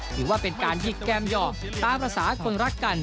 ถือว่าเป็นการหยิกแก้มหยอกตามภาษาคนรักกัน